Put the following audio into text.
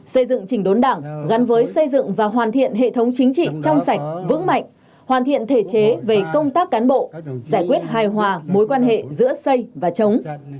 xây dựng trình đốn đảng gắn với xây dựng và hoàn thiện hệ thống chính trị trong sạch vững mạnh hoàn thiện thể chế về công tác cán bộ giải quyết hài hòa mối quan hệ giữa xây và chống